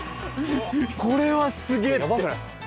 これはすげえって。